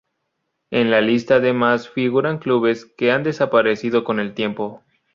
En la lista además figuran clubes que han desaparecido con el tiempo.